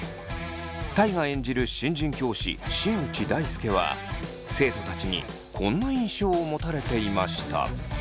大我演じる新人教師新内大輔は生徒たちにこんな印象を持たれていました。